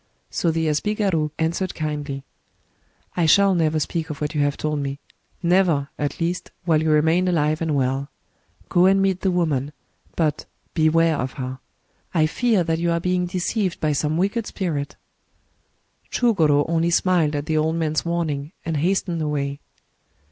So the asbigaru answered kindly: —" I shall never speak of what you have told me — never, at least, while you remain alive and well. Go and meet the woman; but — beware of her! I fear that you arc being deceived by some wicked spirit." Digitized by Google 8o THE STORY OF CHtJGORO Chugoro only smiled at the old man's warning, and hastened away.